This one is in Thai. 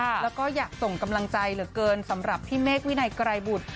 แล้วก็อยากส่งกำลังใจเหลือเกินสำหรับพี่เมฆวินัยไกรบุตร